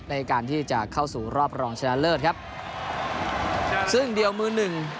ในการที่จะเข้าสู่รอบรองชนะเลิศครับซึ่งเดียวมือหนึ่ง